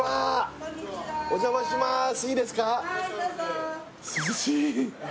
いいですか？